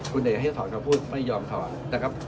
คุณเอกให้ถอนคำพูดไม่ยอมถอนนะครับ